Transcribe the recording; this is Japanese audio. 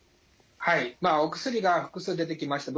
はいまあお薬が複数出てきました。